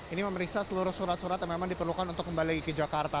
ini memeriksa seluruh surat surat yang memang diperlukan untuk kembali lagi ke jakarta